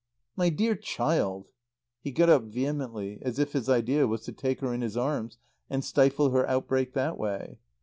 "My dear child " He got up vehemently, as if his idea was to take her in his arms and stifle her outbreak that way.